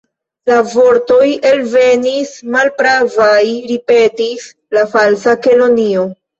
"La vortoj elvenis malpravaj," ripetis la Falsa Kelonio.